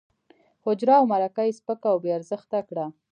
حجره او مرکه یې سپکه او بې ارزښته کړه.